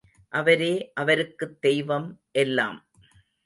அவரே அவருக்குத் தெய்வம் எல்லாம்.